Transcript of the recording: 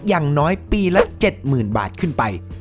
อย่างน้อยปีละ๗๐๐๐บาทขึ้นไป